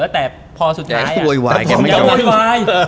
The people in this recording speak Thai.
แต่พอสุดท้ายอ่ะยังโยยวาย